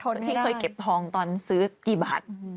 ตอนที่เคยเก็บทองตอนนั้นซื้อกี่บาท